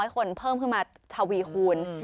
คนเพิ่มขึ้นมาทวีคูณ